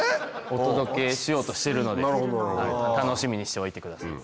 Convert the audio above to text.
お届けしようとしてるので楽しみにしておいてください。